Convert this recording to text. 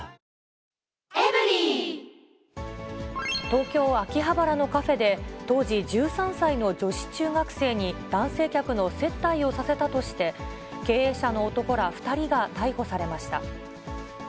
東京・秋葉原のカフェで、当時１３歳の女子中学生に男性客の接待をさせたとして、経営者の男ら２人が逮捕されました。